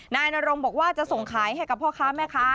นายนรงบอกว่าจะส่งขายให้กับพ่อค้าแม่ค้า